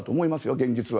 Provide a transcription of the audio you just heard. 現実は。